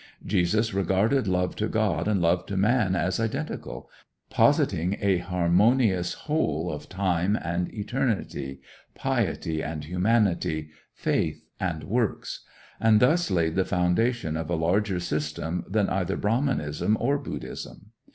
Jesus regarded love to God and love to man as identical, positing a harmonious whole of time and eternity, piety and humanity, faith and works, and thus laid the foundation of a larger system than either Brahmanism or Buddhism.